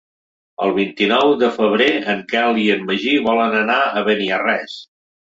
El vint-i-nou de febrer en Quel i en Magí volen anar a Beniarrés.